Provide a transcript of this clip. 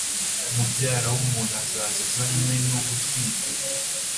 Mubyara w umuntu azaza azanywe no gutwika